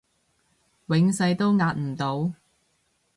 永世都壓唔到